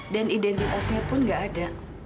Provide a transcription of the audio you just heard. dan identitasnya pun nggak ada